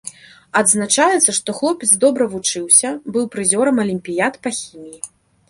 Адзначаецца, што хлопец добра вучыўся, быў прызёрам алімпіяд па хіміі.